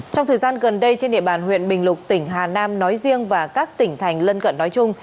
trong thời gian gần đây trên địa bàn huyện bình lục tỉnh hà nam nói riêng và các tỉnh thành lân cận nói chung